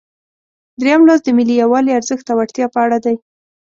دریم لوست د ملي یووالي ارزښت او اړتیا په اړه دی.